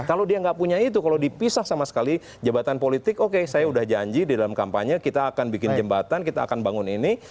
kalau dia nggak punya itu kalau dipisah sama sekali jabatan politik oke saya udah janji di dalam kampanye kita akan bikin jembatan kita akan bangun ini